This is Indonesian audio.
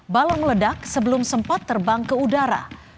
balon meledak sebelum sempat terbang ke udara